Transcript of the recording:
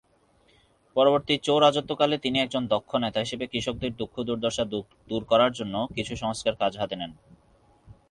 পরবর্তী চৌ রাজত্বকালে তিনি একজন দক্ষ নেতা হিসেবে কৃষকদের দুঃখ-দুর্দশা দূর করার জন্য কিছু সংস্কার কাজ হাতে নেন।